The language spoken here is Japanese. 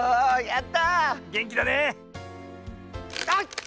あっ！